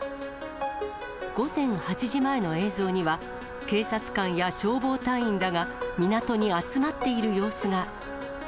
午前８時前の映像には、警察官や消防隊員らが港に集まっている様子が。